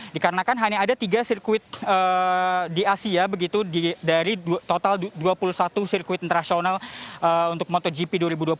dikarenakan hanya ada tiga sirkuit di asia begitu dari total dua puluh satu sirkuit internasional untuk motogp dua ribu dua puluh tiga